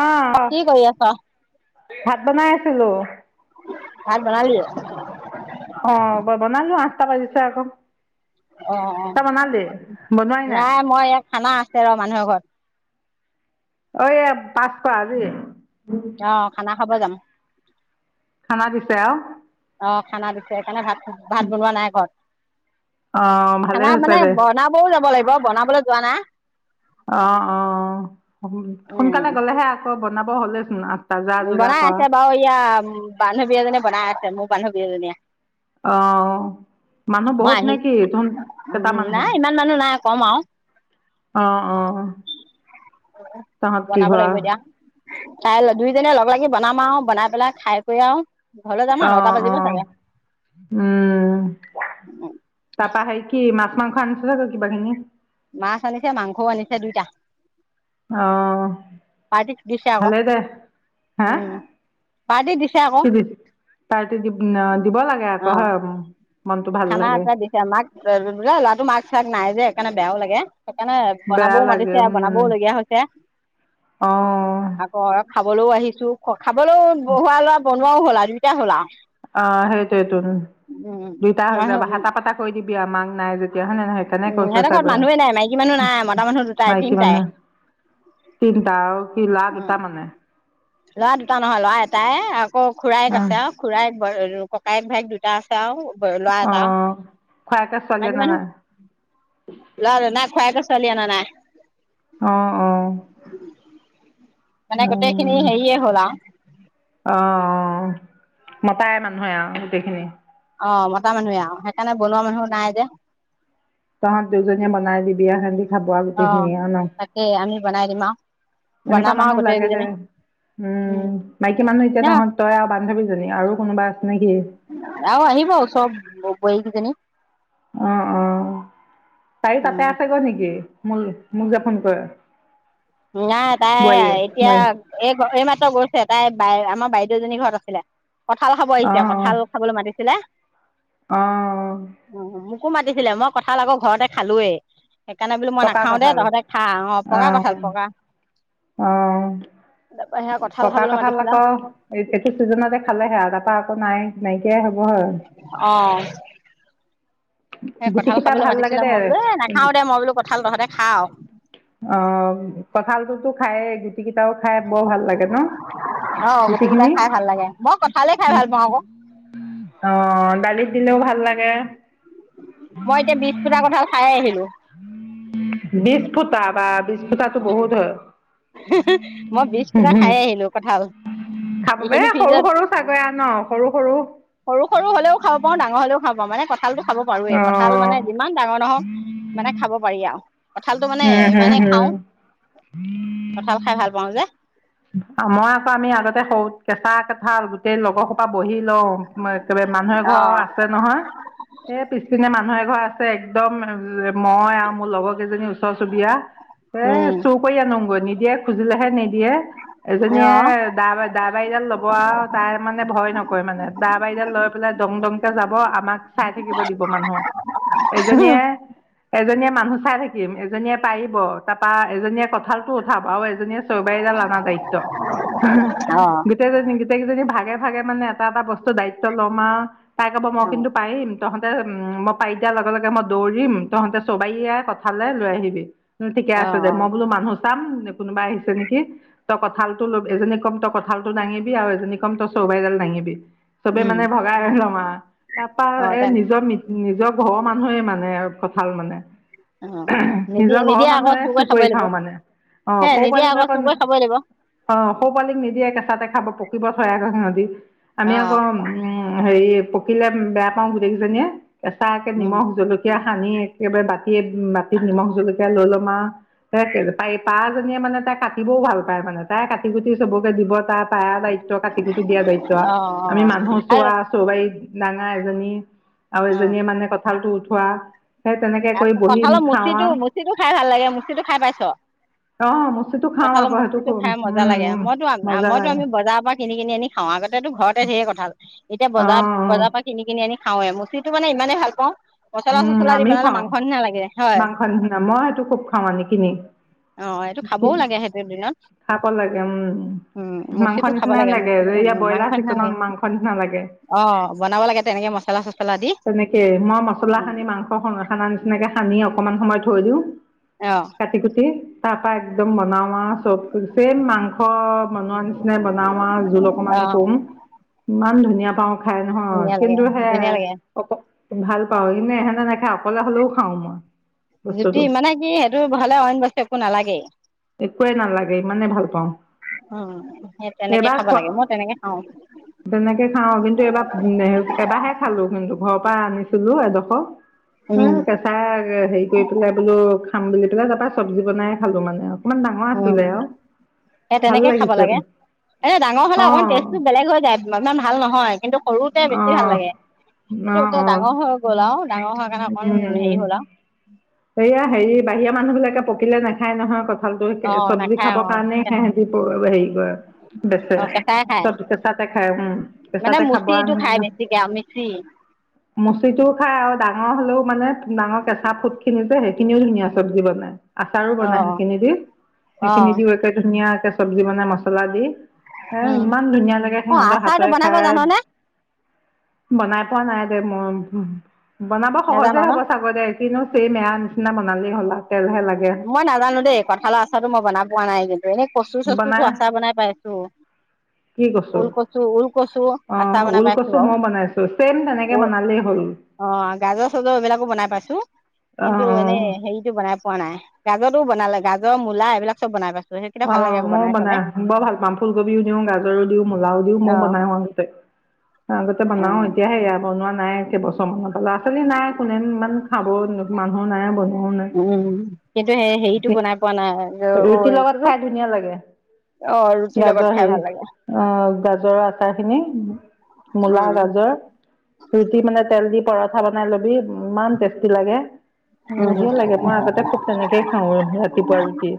অহ কি কৰি আছ? ভাত বনাই আছিলো ভাত বনালি? অ', অহ বনালো আছিলো। কেইটা বাজিছে। অ অ তই বনালি নাই মই ইয়াত খানা আছে ৰ। মানুহৰ ঘৰত। অঐ পাঁচশ আজি। অ খানা খাব যাম।। খানা দিছে আও। অ', খানা দিছে সেইকাৰণে ভাত। ভাত বনোৱা নাই ঘৰত। অ' ভালেই খানা হৈছে মানে দে বনাবও যাব লাগিব বনাবলৈ যোৱা নাই। অ অ উম, সোনকালে গলেহে আকৌ। বনাব হলেচি ন। বনাই আছে বাৰু ইয়া বানুহ বি এজনী বনাই আছে মোক। বন্ধী এজনীয়ে। অহ মানুহ মই বহুত আহি নে কি তুন কেইটা উম, মানুহে নাই ইমান মানুহ নাই কম আৰু অহ অহ তাহত কি হয়। ভাল। দুইজননে লগ লাগি বনাম আৰু বনাই পেলাই খাই কৰি আও। অ অ উম তাৰপা সে কি মা। মাংস থৈছগ কি বা খিনি। মাছ আনিছে মাংস আনিছে দুইটা। অহ। পাৰ্টি দিছে আকৌ, ভালেই দে হা উম, পাৰ্টি দিছে আকৌ। কি দি পাৰ্টি দি দিব লাগে আকৌ অ'। হয়। মনটো ভাল খানা লাগে এটা দিছে মাক ব ল'ৰাটো মাক চাক নাই যে। সেইকাৰণেনে বেয়া ও লাগে। সেইকাৰণে বেয়া বনাবও লাগে মাতিছে উম বনাবও লগীয়া হৈছে অ আকৌ। খাবলেও আহিছোঁ। খাবলৈও বহোৱা লোৱা বন। ও'হলা দুুইটাই হলা আও। অহ সেইটো উম! দুইটা হৈ মই যাব হাতা-পাতা কৰি দিবি মাক নাই যে এতিয়াহ নে ন সেইকাৰণে উম কৈছ সিহঁতৰ ঘৰত চাগৈ, মানুহে নাই মাইকী মানুহ নাই মতা মানুহ দুটাই মাইকী তিনটাই মানুহ তিনটা আঅ উম! ল'ৰা দুটা নহয় ল'ৰা এটাই আকৌ অ খুৰাইক আছে আৰু খুৰাই ককায়ে-ভাইক দুটা আছে আৰু। ল'ৰা অ এটা, খুৰাকে ছোৱালীয়ে মাইকী নে নাই মানুহ ল'ৰা নাই খোৱাই ক ছোৱালী অনা নাই অ অ মানে গোটেই খিনি উম হেয়ে হ'ল আঅ অ মতাই মানুহে আৰু গোটেইখিনি অ মতা মানুহে আৰু সেইকাৰণে বনোৱা মানুহ নাই যে তহঁত দুজনীয়া বনাই দিবি যা সে খাব আৰু অ গোটেইখিনিয়ে আৰু ন, তাকেই আমি বনাই দিম আৰু এনেকুৱা বনাম আৰু মানুহ গোটেই লাগে যে কেইজনী উম! মাইকী মানুহ ন এতিয়া তহঁত তই আৰু বান্ধৱীজনী আৰু কোনোবা আছে নেকি? জনি উম! উ! তাইয়ো তাতে উম আছেগৈ নেকি? মূল মোক যে ফোন কৰে নাই তাই বোৱাৰীয়ে এতিয়া বোৱাৰী এই এইমাত্ৰ গৈছে তাই বাই আমাৰ বাইদেউজনী ঘৰত আছিলে। কঁঠাল খাব আহিছে, কঁঠাল খাবলৈ মাতিছিলে। আহ উ মোকো মাতিছিলে মই কঁঠাল আকৌ ঘৰতে খালোয়েই সেইকাৰণে বোলো মই নাখাওঁ দে তহঁতে খা অ পকা কঁঠাল। পকা অ তাৰপৰা সেয়া পকা খাবলৈ কঁঠাল মাতিছিলে আকৌ এইটো চিজনতে খালে সেয়া তাপা আকৌ নাই নাইকিয়াই হব আৰু এ কঁঠাল খাবলৈ মাতিছিলে মই বোলো এ দে নাখাওঁ দে মই বোলোঁ কঁঠাল তহঁতে খা আৰু অ কঁঠালটো খায়ে গুতিকিতাও খাই বৰ ভাল লাগে ন আৰু অ গুটি কেইটা গুটিখিনি খাই ভাল লাগে মই কঁঠালে খাই ভাল পাওঁ আকৌ অ দালিত। দিলেও ভাল লাগে। মই এতিয়া বিছ ফুটা কঁঠাল খাই এ আহি বিছ ফুটা বা বি ফুটাটো বহুত হয়। মই বিজ পোটা খাই আহিলো, কঠাল খাব এ এইখিনি সৰু ফিজত সৰু চাগৈ ন সৰু সৰু সৰু সৰু হলেও খাব পাৰো ডাঙৰ হলেও খাব পাওঁ মানে। কঁঠালতটো খাব অ পাৰোৱেই কঁঠাল মানে যিমান ডাঙৰ নহওক, মানে খাব পাৰি আৰু। উ কঁঠালটো মানে উম হম ইমানে খাওঁ হম। কঁঠাল খাই ভাল পাওঁ যে। মই আকৌ আমি আগতে। সৰুত, কেঁচা কেঁঠাল গোটেই লগৰ। পৰা বহি লওঁ, একেবাৰে মানুহে অ ঘৰ আছে নহয়, এ পিছপিনে মানুহে ঘৰ আছে। একদম মই আও মোৰ লগৰ কেইজনী ওচৰ চুবুৰীয়া, এ উম চৌ কৰি আনোগৈ নিদিয়ে খুজিলেহে নিদিয়ে। অ এজনীয়ে দা দা বাৰীডাল লব আৰু তাৰ মানে ভয় নকৰে মানে দা বাৰীডাল লৈ পেলাই দং দংকে যাব আমাক চাই থাকিব দিব মানুহ, এজনীয়ে। এজনীয়ে মানুহ চাই থাকিম এজনীয়ে পাৰিব তাৰাপা এজনীয়ে কঁঠাল। উঠাবা আৰু এজনীয়ে চয়বাৰীটা আনা দ। অ গীতেজন গীতে গীত ভাল। ভাগে ভাগে মানে এটা এটা বস্তু দায়িত্ব ল'ম আৰু। তাই কব মই অ কিন্তু পাৰিম। তহঁতে উ মই পাৰি দিয়া লগে লগে মই দৌৰিম তহঁতে চবাই কথালৈ লৈ আহিবি। ঠিকে অ অ আছে যে মই বোলো মানু। চাম নে কোনোবা আহিছে নেকি। তই কঁঠালটো লবি এজনী কম তই কঁঠালটোঙিবি আৰু এজনী কম তই চৰবাইডাল দাঙিবি। চবে উম মানে ভগাই লওঁ আৰু, তাৰ পৰা অ এ তে নিজৰ নিজৰ। ঘৰৰ মানুহে মানে কঁঠাল মানে। অ নিজৰ নিদিয়ে ঘৰৰ নিদিয়া আকৌ মানুহে চুকৈ চুকুৰি খাবই লাগিব, খাওঁ মানে অঁ হে সৰু নিদিয়া পোৱালীক আকৌ চুকৈ খাবই লাগিব। অ সৌ পালিক নিদিয়ে কেঁচাতে খাব পক। পকিব থয় আক সিহঁতি আমি অ আকৌ উ। হেৰি পকিলে বেয়া পাও গোটেই কেইজনীয়ে। কেঁচাকাকে উম নিমখ জলকীয়া। সানি একেবাৰে বাতিয়ে বাতিত নিমখ জলকীয়া লৈ ল'ম আ ত পাহ জনীয়ে মানে তাই কাটিবও ভাল তাৰমানে তাই কাটি কুটি চবকে দিব পাৰা দায়িত্ব কাটি কুটি দিয়া দায়িত্ব আও অ অ আমি মানুহক আৰু চোৱা চও বা ডাঙা এজনী আৰু এজনীয়ে মানে কথা ঠালটো উঠোৱা সেই তেনেকে কৰি আৰু বহি কঁঠালৰ খাওঁ মুচিটো মুচিটো খাই ভাল লাগে মুচিটো খাই পাইছ আও অ মুচিটো খাওঁ কঠালৰ আকৌ সেইটো মুচিটো খাই মজা লাগে উম মইতো মজা মইতো লাগে আমি বজাৰ পৰা কিনি কিনি আনি খাওঁ আগতেতো ঘৰতে ঢেৰ কঁঠাল এতিয়া অ অ বজাৰ বজাৰ পৰা কিনি কিনি আনি খাওৱে মচিটো মানে ইমানেই ভাল পাওঁ [unintelligible] পচলা চচলা দি খাও মাংস নিচিনা লাগে হয় মাংস নিচিনা মই সেইটো খুব খাওঁ আনি কিনি অ এইটো খাবও লাগে সেইটো দিনত খাব লাগে উম উম মাংস মুচিটো খাব নিচিনাই লাগে মুচিটো সেয়া উম ব্ৰইলাৰ মাংস নিচিনা চিকনৰ লাগে মাংস নিচিনা লাগে অ বনাব লাগে তেনেকে মছলা চছলা দি তেনেকে মই মছলা অ সানি মাংস খন খানা নিচিনাকে সানি অকণমান সময় থৈ দিওঁ অ কাটি কুটি তাপা একদম মজা বনাও আও চব চেইম মাংস বনোৱা নিচিনা বনাও‌ আও জোল অকমানো কৰো ইমান ধুনীয়া [unintelligible] পাওঁ হয় নহয় ধুনীয়া লাগে কিন্তু সে ধুনীয়া লাগে অ ভাল পাও ইনে এহেতে নেখায় অকলে হ'লেও খাওঁ মই জোতি বস্তুটো মানে কি সেইটো ভালে অইন বস্তু একো নালাগেই একোৱেই নালাগে ইমানে ভাল পাওঁ উম সেই তেনেকে এইবাৰ খাব খোৱা লাগে মই তেনেকে খাওঁ তেনেকে খাওঁ কিন্তু এইবাৰ এবাৰহে খালো কিন্তু ঘৰপা [unintelligible] পা আনিছিলো এডোখৰ এ উম কেঁচা হেৰি কৰি পেলাই বোলো খাম বুলি এই তাপা চবজি বনাই খালো মানে আও উ সেই ভাল তেনেকে খাব লাগিছে লাগে এনে ডাঙৰ অ হলে অকমান টেষ্টটো বেলেগ হৈ যায় ইমান ভাল নহয় কিন্তু সৰুতে অ অ বেছি ভাল লাগে এইটো এ অ ডাঙৰ হৈ গ'ল আও ডাঙৰ হোৱাৰ কাৰণে অকণ হেৰি উম হল আও এয়া হেৰি পকিলে নাখায় নহয় ক বইল কৰি চব্জি নাখায় খাবৰ অ কাৰণে সিহতি হেৰি কৰে বেচে অ কেঁচাই খায় চব কেঁচাতে খাই উম মানে কেঁচাতে খাব আও মুচিটো খাই শ বেছিকে আৰু মিচি মচিটোও খাই আৰু ডাঙৰ হলেও মানে ডাঙৰ কেঁচা ফুট খিনি যে সেইখিনিও ধুনীয়া চব্জি বনাই আচাৰো অ বনাই সেই খিনি দি অ সেইখিনি দিও একে ধুনীয়াকে চবজি বনাই মছলা দি, এ উম ইমান ধুনীয়া লাগে অ সিহঁতৰ আচাৰটো হাতেৰে বনাব খাই। জাননে বনাই পোৱা নাই দে মই। বনাব নাজান সহজে হ'ব ন চাগৈ দেই। [unintelligible] নিচিনা বনালেই হ'ল ন। সেইয়েহে লাগে। মই নাজানো দেই কঁঠালৰ আচাৰটো মই বনাই পোৱা নাই আজিলৈকে। এনেই কচু চচুটো বনাই আচাৰ বনাই পাইছো। ঊল কচু ওল কচু অ আচাৰ বনাই পাইছো ওলকচু বাৰু, মইও বনাইছো চেম তেনেকে বনালেই হ'ল অ গাজৰ চাজৰ এইবিলাকো বনাই পাইছো। [unintelligible] অ কিন্তু এনে অ হেৰিটো বনাই, [unintelligible] পোৱা নাই। গাজটো বনালে, গাজৰ মূলা এইবিলাক চব বনা পাইছোঁ। অ মইও বনাই বৰ ভাল পাম ফুলকবিও দিও, গাজৰো দিওঁ, মূলাও দিও, অ মই বনাও আগতে। [unintelligible] আগতে অ বনাও, এতিয়াহে বনোৱা, নাই কেইবছৰমানত। ল'ৰা ছোৱালী নাই, কোনে ইমান খাব, মানুহো নাই বনোৱাও নাই। উম কিন্তু সেই হেৰিটো বনাই পোৱা নাই অ ৰুটিৰ লগত এইটো খাই ধুনীয়া লাগে। অ ৰুটিৰ লগত গাজৰ খাই হে ভাল লাগে অ গাজৰ আচাৰ খিনি, মূলা, উম গাজৰ ৰুটি মানে তেল দি। [unintelligible] [unintelligible] ল'বি ইমান টেষ্টি লাগে। উম বহিয়া লাগে। মই আগতে তেনেকেই খাওঁ ৰাতিপুৱা ৰুটি।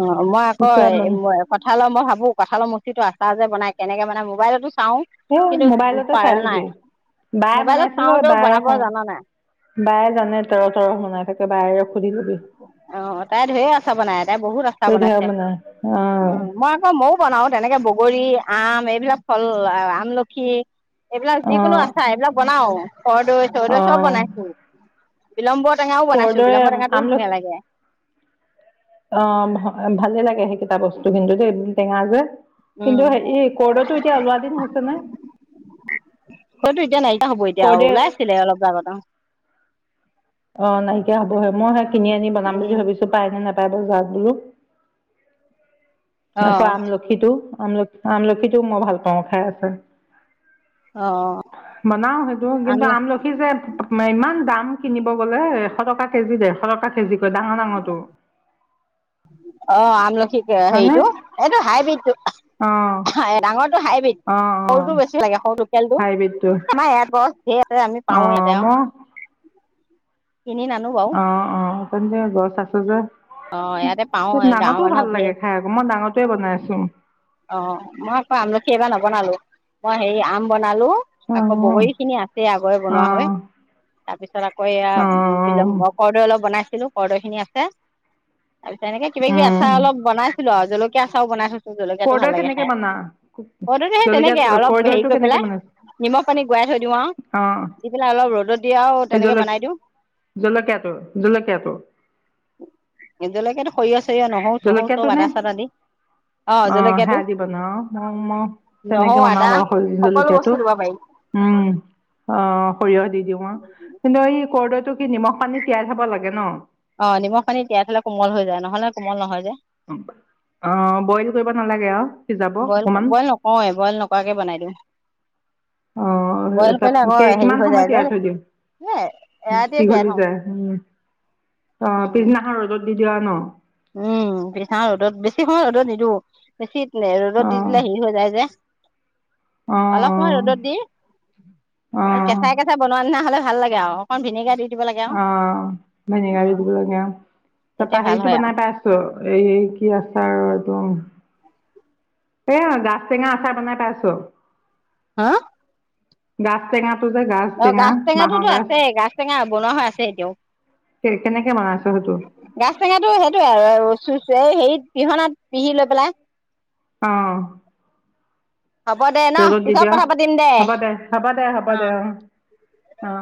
অ মই আকৌ এতিয়া কঁঠালৰ মই ভাবো কঁঠালৰ মূচিটো যে আচাৰ আচাৰ বনাই। তেনেক মানে মোবাইলতো, চাওঁ এ কিন্তু মোবাইলতে চাই পাৰা নাই লবি, বায়ে মোবাইলত বনাইছিলে চাওঁতেও বনাব বায়েখন জানা নাই বায়ে জানে ত। [unintelligible] অ তাই ধেই আচাৰ বনাই, তাই বহুত আচাৰ তই ধেৰ বনাইছে বনাই অ, মই আকৌ মইয়ো বনাও তেনেকে বগ, গৰি, আম, এইবিলাক ফল আমলখি, এইবিলাক অ যিকোনো আচাৰ এইবিলাক বনাও। কৰ্দৈ অ চৰ্দৈ চব বনাইছো। বন [unintelligible] কৰদৈ [unintelligible] আমলখ ধুনীয়া লাগে। অ ভালে লাগে সেইকেইটা বস্তু কিন্তু দেই, টেঙা যে। কিন্তু উম। হে কৰদৈটো এতিয়া ওলোৱা দিন হৈছে নে হয়তো এতিয়া নাইকিয়া হ'ব এতিয়া কৰদৈ ওলাই আছিলে অলপ আগত অ। অ নাইকিয়া হ'বহে। মই সেই কিনি আনি বনাম বুলি উম ভাবিছো, পাই নে নাপায়। [unintelligible] যদি, অ আকৌ আমলখিটো। আমলখি আমলখিটোও মই ভাল পাওঁ, খাই আছে। অ বনাও সেইটো কিন্তু আমলখি যে ইমান দাম কিনিব গলে এশ টকা কেজি দেৰশ টকা কেজি কয় ডাঙৰ-ডাঙৰটো। [unintelligible] অ, আমলখী - হেৰিতটো এইটো হাইব্ৰীডটো অঁ ডাঙৰটো হাইব্ৰীড, অঁ অঁ সৰুটো বেছি লাগে সৰু লোকেলটো হাইব্ৰীডটো আমাৰ এয়াত গছ [unintelligible] সেইয়াতে আমি পাওঁ অঁ ইয়াতে। কিনি নানো বাৰু অ, অ, গছ আছে যে অ ইয়াতে পাও গাঁৱৰ নাঙতোও ভাল মানুহৰ ধেৰ লাগে খাই আকৌ, মই ডাঙৰতোয়ে বনাইছো। অ মই ক আমলখি এইবাৰ নবনালো। অই সেই আম বনালো। আকৌ অঁ বগৰী খিনি আছে আগৰে বনোৱা অঁ হৈ তাৰ পিছত আকৌ এয়া বিল অঁ অ কৰৰ্দৈ অলপ বনাই ছিলো কৰ্দৈ খিনি আছে তাৰপিছত এনেক কিবা-কিবি আচাৰ অলপ বনাইছিলো আৰু জলকীয়া আচাও বনাই থৈছো। ভাল কৰদৈ লাগে কেনেকৈ খায়। বনা কৰ্দৈ তো সেই জলকীয়া তেনেকে আৰু অলপ হেৰি কৰদৈটো কৰি কেনেকৈ পেলাই বনাইছা নিমখ পানী গৰাই থৈ দিওঁ আৰু অঁ দি পেলাই অলপ ৰ'দত দি, আৰু এই তেনেকে জল বনাই দিওঁ জলকীয়াটো জলকীয়াটো নিজলৈকেতো সৰিয়হ নহৰু-চহৰো জলকীয়াটো ছপ নে আদা-চাদা দি। অ জলক সেয়া দি বনাও। তেনেকে নহৰু বনাও আদা বাৰু সৰিয়হ সকলো জলকীয়াটো। বস্তু দিব পাৰি উম অ সৰিয়হ দি দিওঁ আৰু কিন্তু এই কৰৰ্দৈটো কি নিমখ পানীত তিয়াই থব লাগে ন? অ নিমখ পানীত তিয়াই থলে কোমল হৈ যায়, নহলে কোমল নহয় যে। অ' বইল কৰিব নালাগে অ। বইল, বইল নকওঁৱে বইল নকৰাকে বনাই দিওঁ। অ বইল কৰিলে আকৌ হেৰি কিমান হৈ সময়ত যায় যে তিয়াই থৈ দিওঁ। এ এৰাতিয়ে তিয়াই পীঘলি থওঁ যায় উম'অ উম পিছদিনাখন ৰ'দত দি দিও আৰু ন? উম', পিছদিনা ৰ'দত বেছি সময়ত ৰ'দত নিদিওঁ, বেছি এ অ ৰ'দত দি দিলে হেৰি হৈ যায় যে অ অলপ সময় ৰ'দত দি, অ এই অ কেঁচাই কেঁচাই বনোৱা নিচনা হ'লে ভাল লাগে আও, অকণ ভিনেগাৰ দি দিব লাগে আৰু অ অ ভিনেগাৰ দি দিব লাগে আউ তেতিয়া তাপা ভাল হেৰিটো হয় আৰু বনাই পাই ছ এই কি আছাৰ ৰ এইটো এ গাজটেঙা আচাৰ বনাই পাইছো। হা। গাজ তেঙা অ গাছ টেঙাটোতো আছে গাছ টেঙা বনোৱা হৈ আছে এতিয়াও। কেনেকে বনাইছ সেইটো গাছ টেঙাটো সেইটোয়ে আৰু চ হেৰিত পিহনাত পিহি লৈ পেলাই অহ। হ'ব দে ন ৰ'দত দি পিছত দিয়া কথা পাতিম হ'ব দে হ'ব দে হ'ব অ দে অহ অ।